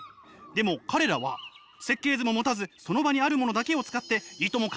でも彼らは設計図も持たずその場にあるものだけを使っていとも